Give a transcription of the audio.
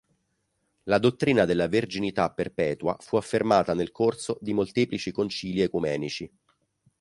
La dottrina della Verginità perpetua fu affermata nel corso di molteplici Concili Ecumenici.